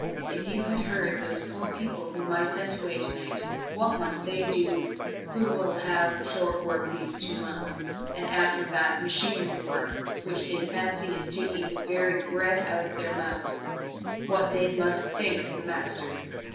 If you had heard those poor people whom I sent away tonight! What must they, who will have short work these two months, and after that machinery work, which they fancy is taking the very bread out of their mouths what must they think of the master?"